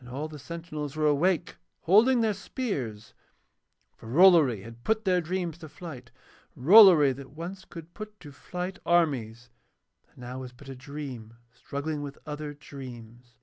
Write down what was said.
And all the sentinels were awake holding their spears, for Rollory had put their dreams to flight, Rollory that once could put to flight armies and now was but a dream struggling with other dreams.